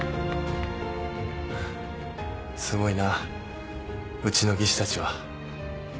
すごいなうちの技師たちは。